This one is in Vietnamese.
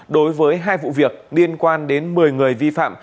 đối với hai vụ việc liên quan đến một mươi người vi phạm